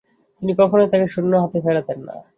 তিনি কখনোই তাকে শূন্য হাতে ফেরাতেন না।